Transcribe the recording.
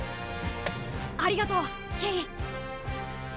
ありがとうケイ。